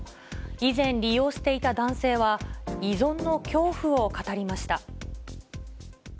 以前利用していた男性は、依存の恐怖を語りました。